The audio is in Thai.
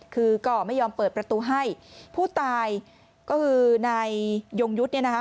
คือก็ไม่ยอมเปิดประตูให้ผู้ตายก็คือนายยงยุทธ์เนี่ยนะคะ